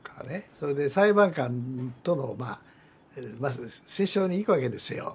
それで裁判官との折衝に行くわけですよ時々。